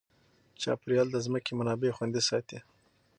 چاپیریال د ځمکې منابع خوندي ساتي.